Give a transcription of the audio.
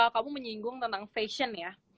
kamu menyinggung tentang fashion ya